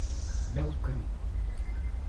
Belo Campo